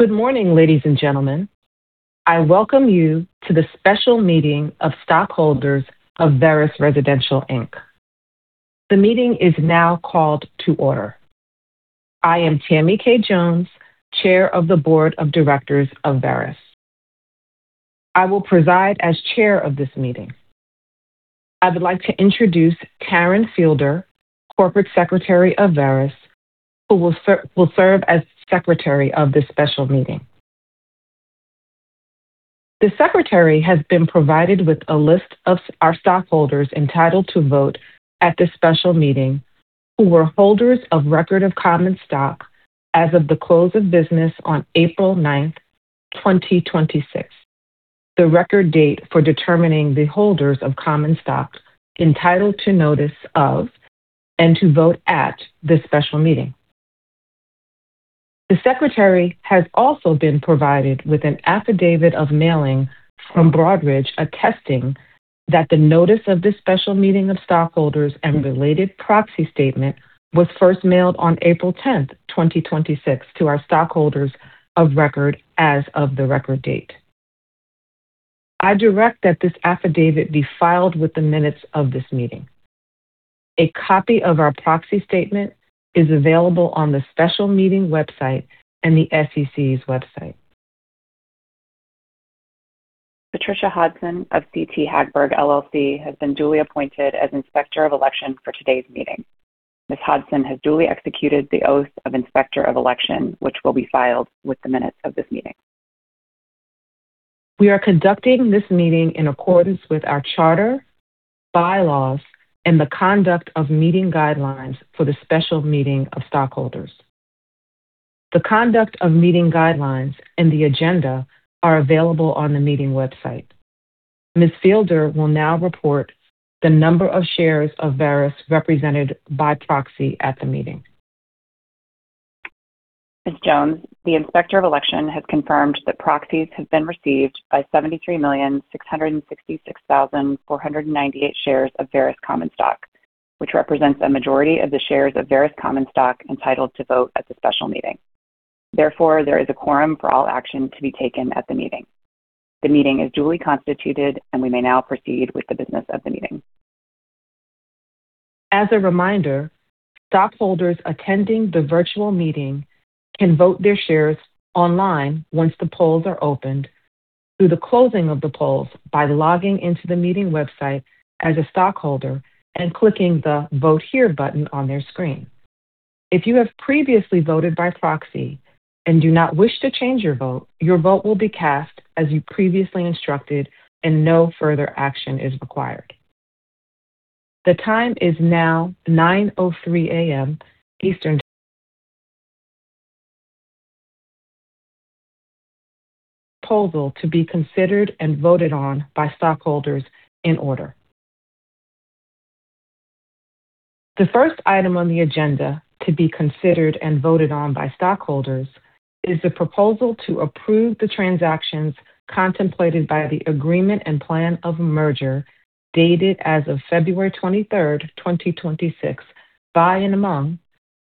Good morning, ladies and gentlemen. I welcome you to the special meeting of stockholders of Veris Residential Inc. The meeting is now called to order. I am Tammy K. Jones, Chair of the Board of Directors of Veris. I will preside as Chair of this meeting. I would like to introduce Taryn Fielder, Corporate Secretary of Veris, who will serve as Secretary of this special meeting. The Secretary has been provided with a list of our stockholders entitled to vote at this special meeting, who were holders of record of common stock as of the close of business on April 9th, 2026, the record date for determining the holders of common stock entitled to notice of, and to vote at, this special meeting. The secretary has also been provided with an affidavit of mailing from Broadridge attesting that the notice of this special meeting of stockholders and related proxy statement was first mailed on April 10th, 2026, to our stockholders of record as of the record date. I direct that this affidavit be filed with the minutes of this meeting. A copy of our proxy statement is available on the special meeting website and the SEC's website. Patricia Hudson of C.T. Hagberg LLC has been duly appointed as Inspector of Election for today's meeting. Ms. Hudson has duly executed the oath of Inspector of Election, which will be filed with the minutes of this meeting. We are conducting this meeting in accordance with our charter, bylaws, and the conduct of meeting guidelines for the special meeting of stockholders. The conduct of meeting guidelines and the agenda are available on the meeting website. Ms. Fielder will now report the number of shares of Veris represented by proxy at the meeting. Ms. Jones, the Inspector of Election has confirmed that proxies have been received by 73,666,498 shares of Veris common stock, which represents a majority of the shares of Veris common stock entitled to vote at the special meeting. Therefore, there is a quorum for all action to be taken at the meeting. The meeting is duly constituted, and we may now proceed with the business of the meeting. As a reminder, stockholders attending the virtual meeting can vote their shares online once the polls are opened through the closing of the polls by logging into the meeting website as a stockholder and clicking the Vote Here button on their screen. If you have previously voted by proxy and do not wish to change your vote, your vote will be cast as you previously instructed, and no further action is required. The time is now 9:03 A.M. Eastern. Proposal to be considered and voted on by stockholders in order. The first item on the agenda to be considered and voted on by stockholders is the proposal to approve the transactions contemplated by the agreement and plan of merger dated as of February 23rd, 2026, by and among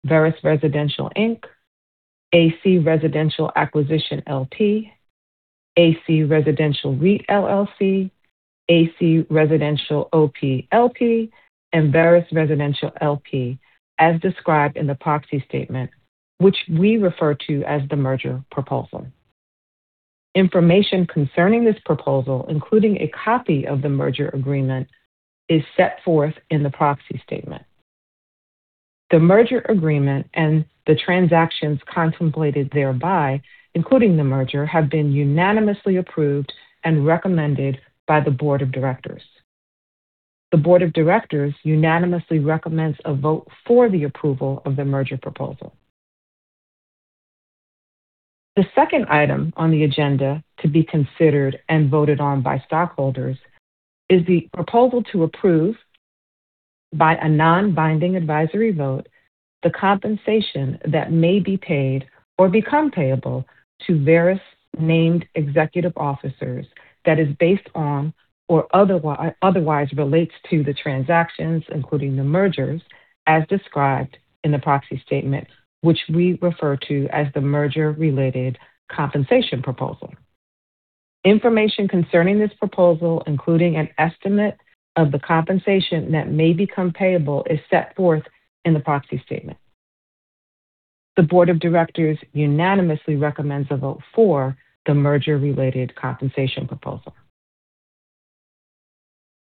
Veris Residential, Inc., AC Residential Acquisition LP, AC Residential REIT LLC, AC Residential OP LP, and Veris Residential, L.P., as described in the proxy statement, which we refer to as the merger proposal. Information concerning this proposal, including a copy of the merger agreement, is set forth in the proxy statement. The merger agreement and the transactions contemplated thereby, including the merger, have been unanimously approved and recommended by the board of directors. The board of directors unanimously recommends a vote for the approval of the merger proposal. The second item on the agenda to be considered and voted on by stockholders is the proposal to approve, by a non-binding advisory vote, the compensation that may be paid or become payable to Veris' named executive officers that is based on or otherwise relates to the transactions, including the mergers, as described in the proxy statement, which we refer to as the merger-related compensation proposal. Information concerning this proposal, including an estimate of the compensation that may become payable, is set forth in the proxy statement. The board of directors unanimously recommends a vote for the merger-related compensation proposal.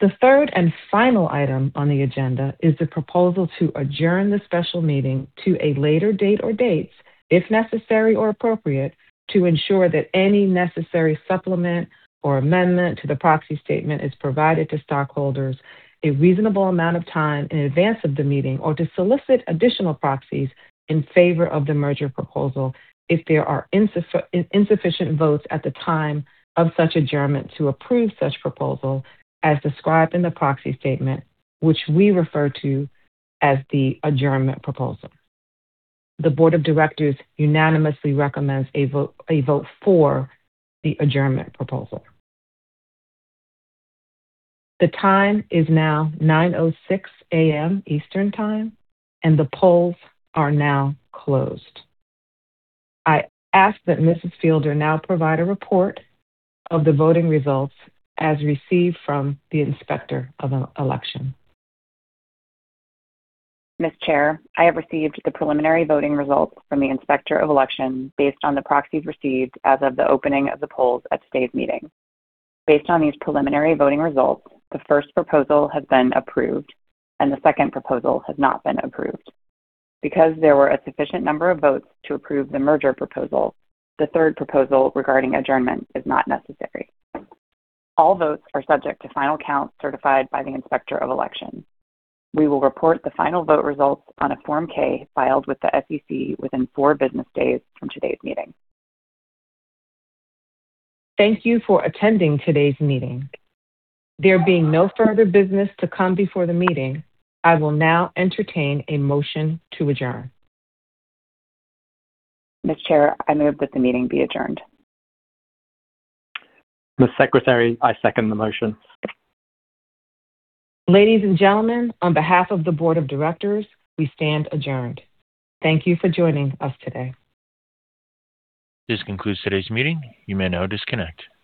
The third and final item on the agenda is the proposal to adjourn the special meeting to a later date or dates, if necessary or appropriate, to ensure that any necessary supplement or amendment to the proxy statement is provided to stockholders a reasonable amount of time in advance of the meeting, or to solicit additional proxies in favor of the merger proposal if there are insufficient votes at the time of such adjournment to approve such proposal as described in the proxy statement, which we refer to as the adjournment proposal. The board of directors unanimously recommends a vote for the adjournment proposal. The time is now 9:06 A.M. Eastern Time, and the polls are now closed. I ask that Mrs. Fielder now provide a report of the voting results as received from the Inspector of Election. Ms. Chair, I have received the preliminary voting results from the Inspector of Election based on the proxies received as of the opening of the polls at today's meeting. Based on these preliminary voting results, the first proposal has been approved, and the second proposal has not been approved. There were a sufficient number of votes to approve the merger proposal, the third proposal regarding adjournment is not necessary. All votes are subject to final count certified by the Inspector of Election. We will report the final vote results on a Form 8-K filed with the SEC within four business days from today's meeting. Thank you for attending today's meeting. There being no further business to come before the meeting, I will now entertain a motion to adjourn. Ms. Chair, I move that the meeting be adjourned. Ms. Secretary, I second the motion. Ladies and gentlemen, on behalf of the board of directors, we stand adjourned. Thank you for joining us today. This concludes today's meeting. You may now disconnect.